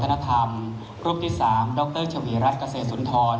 ถือว่าชีวิตที่ผ่านมายังมีความเสียหายแก่ตนและผู้อื่น